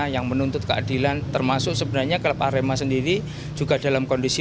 yang menuntut keadilan termasuk sebenarnya klub arema sendiri juga dalam kondisi